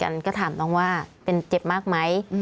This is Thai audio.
เขาก็อยู่แล้วก็คุยกันก็ถามน้องว่าเป็นเจ็บมากไหม